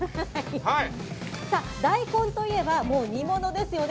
大根といえば煮物ですよね。